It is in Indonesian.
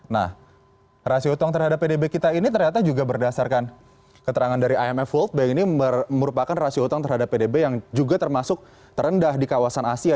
nah rasio utang terhadap pdb kita ini ternyata juga berdasarkan keterangan dari imf world bank ini merupakan rasio utang terhadap pdb yang juga termasuk terendah di kawasan asia